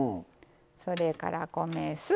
それから米酢。